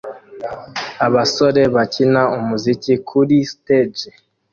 abasore bakina umuziki kuri stage